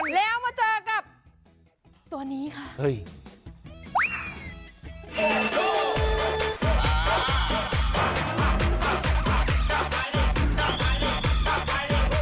แล้วมาเจอกับตัวนี้ค่ะ